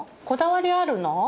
こだわりあるの？